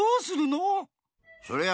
そりゃ